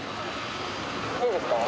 いいですか？